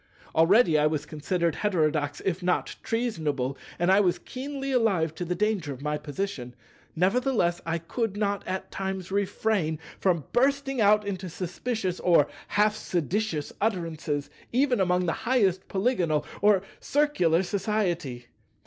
Already I was considered heterodox if not treasonable, and I was keenly alive to the danger of my position; nevertheless I could not at times refrain from bursting out into suspicious or half seditious utterances, even among the highest Polygonal or Circular society.